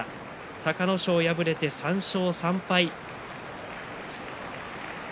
隆の勝、破れて３勝３敗。